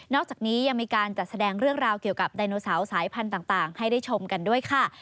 อกจากนี้ยังมีการจัดแสดงเรื่องราวเกี่ยวกับไดโนเสาร์สายพันธุ์ต่างให้ได้ชมกันด้วยค่ะ